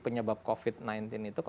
penyebab covid sembilan belas itu